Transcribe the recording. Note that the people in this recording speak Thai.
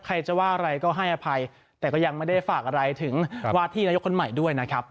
ใครจะว่าอะไรก็ให้อภัยแต่ก็ยังไม่ได้ฝากอะไรถึงวาที่นายกคนใหม่ด้วยนะครับ